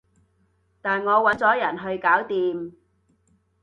但我搵咗人去搞掂